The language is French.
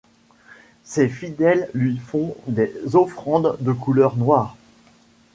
Ses fidèles lui font des offrandes de couleur noire.